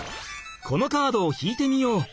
このカードを引いてみよう。